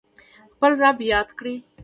خپل رب یاد کړئ